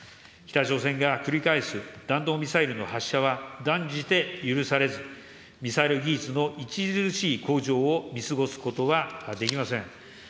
北朝鮮が繰り返す弾道ミサイルの発射は、断じて許されず、ミサイル技術の著しい向上を見過ごすことはできません。